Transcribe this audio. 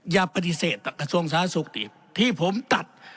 อย่าปฏิเสธกระทรวงสาธารณสุขดิที่ผมตัด